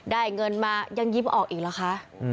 เงินมายังยิ้มออกอีกหรอคะ